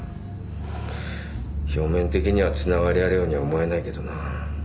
表面的にはつながりあるように思えないけどな。